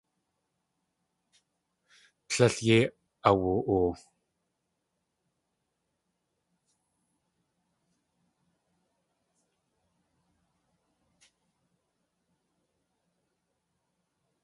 Tlél yéi awu.oo.